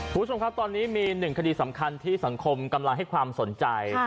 คุณผู้ชมครับตอนนี้มีหนึ่งคดีสำคัญที่สังคมกำลังให้ความสนใจ